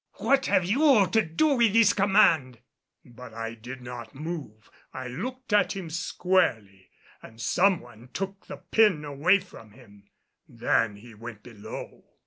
"What have you to do with this command?" But I did not move. I looked at him squarely and some one took the pin away from him; then he went below.